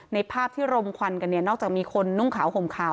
ภาพที่รมควันกันเนี่ยนอกจากมีคนนุ่งขาวห่มขาว